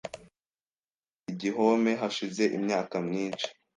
Hano hari igihome hashize imyaka myinshi.